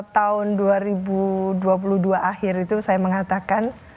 tahun dua ribu dua puluh dua akhir itu saya mengatakan